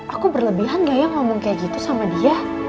aku berlebihan gak ya ngomong kayak gitu sama dia